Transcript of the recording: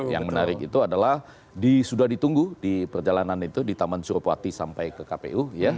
yang menarik itu adalah sudah ditunggu di perjalanan itu di taman suropati sampai ke kpu